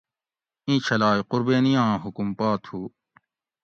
اِیں چھلائ قُر بینی آں حکم پا تھو